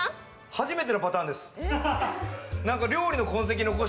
初めてのパターンです。